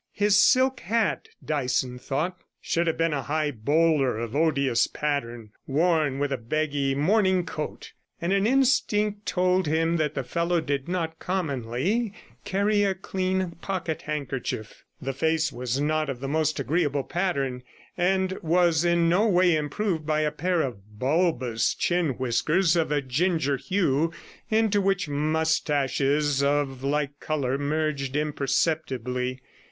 His silk hat, Dyson thought, should have been a high bowler of odious pattern, worn with a baggy morning coat, and an instinct told him that the fellow did not commonly carry a clean pocket handkerchief. The face was not of the most agreeable pattern, and was in no way improved by a pair of bulbous chin whiskers of a ginger hue, into which moustaches of like colour merged imperceptibly.